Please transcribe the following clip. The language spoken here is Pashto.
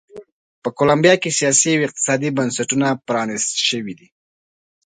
په کولمبیا کې سیاسي او اقتصادي بنسټونه پرانیست شوي دي.